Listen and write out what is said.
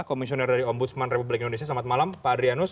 komisioner dari ombudsman republik indonesia selamat malam pak adrianus